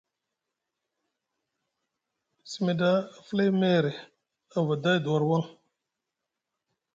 Simi ɗa a fulay meere, a vada edi war waŋ.